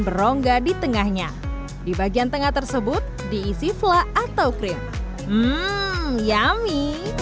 berongga di tengahnya di bagian tengah tersebut diisi fla atau krim yami